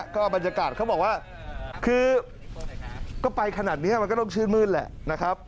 ก็บรรยากาศเขาบอกว่าคือก็ไปขนาดนี้มันก็ต้องชื่นมื้นแหละนะครับ